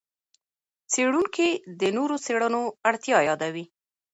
څېړونکي د نورو څېړنو اړتیا یادوي.